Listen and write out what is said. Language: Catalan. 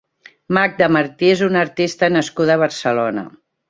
Magda Martí és una artista nascuda a Barcelona.